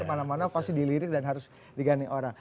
mana mana pasti dilirik dan harus diganti orang